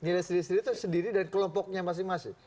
nilai sendiri sendiri itu sendiri dan kelompoknya masing masing